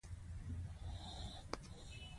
د جسم مالیکولونه انرژي تر لاسه کوي.